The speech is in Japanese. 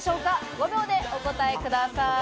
５秒でお答えください。